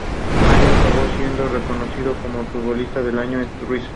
El año acabó siendo reconocido con el Futbolista del año en Rusia.